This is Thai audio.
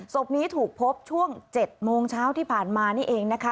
ศพนี้ถูกพบช่วง๗โมงเช้าที่ผ่านมานี่เองนะคะ